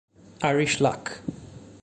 Irish Luck